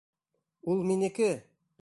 Ул минеке!